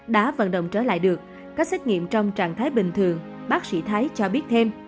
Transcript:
đã vận động trở lại được các xét nghiệm trong trạng thái bình thường bác sĩ thái cho biết thêm